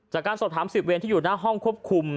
จากการสอบถาม๑๐เวรที่อยู่หน้าห้องควบคุม